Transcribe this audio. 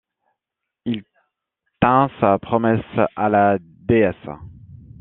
Il tint sa promesse à la déesse.